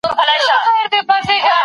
انسان لا هم زده کوي.